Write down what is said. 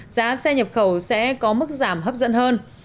giá xe nhập khẩu sẽ có mức giảm hấp dẫn hơn